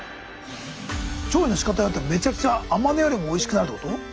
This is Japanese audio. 調理のしかたによってめちゃくちゃ甘根よりもおいしくなるってこと？